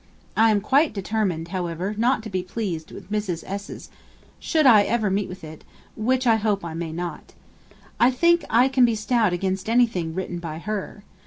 I am quite determined, however, not to be pleased with Mrs. 's, should I ever meet with it, which I hope I may not. I think I can be stout against anything written by her.